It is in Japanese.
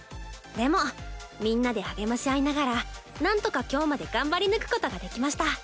でもみんなで励まし合いながらなんとか今日まで頑張り抜くことができました。